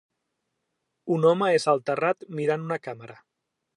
Un home és al terrat mirant una càmera.